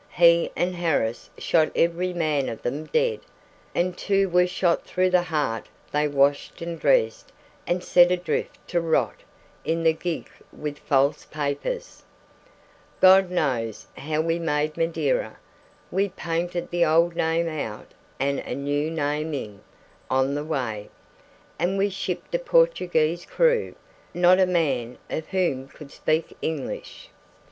He and Harris shot every man of them dead, and two who were shot through the heart they washed and dressed and set adrift to rot in the gig with false papers! God knows how we made Madeira; we painted the old name out and a new name in, on the way; and we shipped a Portuguese crew, not a man of whom could speak English.